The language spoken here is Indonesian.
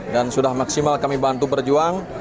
dan sudah maksimal kami bantu berjuang